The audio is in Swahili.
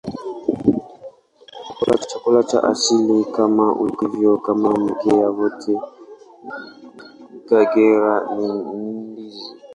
Chakula cha asili, kama ilivyo kwa mkoa wote wa Kagera, ni ndizi.